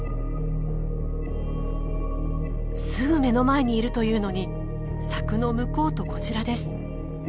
すぐ目の前にいるというのに柵の向こうとこちらです。